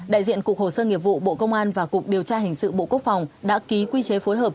đại diện cục hồ sơ nghiệp vụ bộ công an và cục điều tra hình sự bộ quốc phòng đã ký quy chế phối hợp